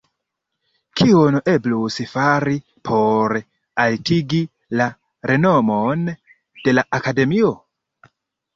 Kion eblus fari por altigi la renomon de la Akademio?